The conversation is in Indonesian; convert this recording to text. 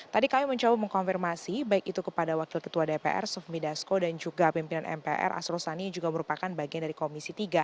tadi kami mencoba mengkonfirmasi baik itu kepada wakil ketua dpr sufmi dasko dan juga pimpinan mpr asrul sani juga merupakan bagian dari komisi tiga